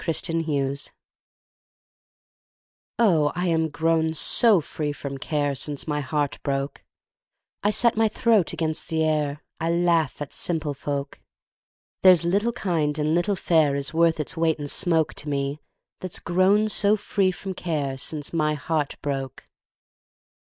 The Merry Maid OH I am grown so free from care Since my heart broke! I set my throat against the air, I laugh at simple folk! There's little kind and little fair Is worth its weight in smoke To me, that's grown so free from care Since my heart broke!